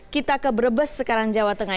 kita ke brebes sekarang jawa tengah